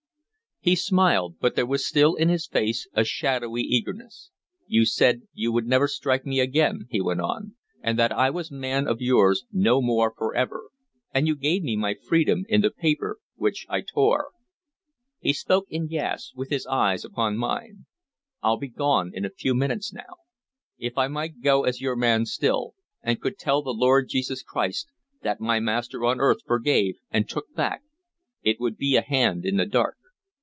He smiled, but there was still in his face a shadowy eagerness. "You said you would never strike me again," he went on, "and that I was man of yours no more forever and you gave me my freedom in the paper which I tore." He spoke in gasps, with his eyes upon mine. "I'll be gone in a few minutes now. If I might go as your man still, and could tell the Lord Jesus Christ that my master on earth forgave, and took back, it would be a hand in the dark.